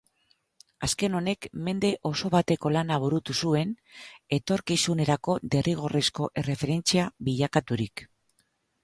Azken honek mende oso bateko lana burutu zuen, etorkizunerako derrigorrezko erreferentzia bilakaturik.